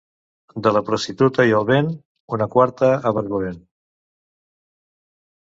De la prostituta i el vent, una quarta a barlovent.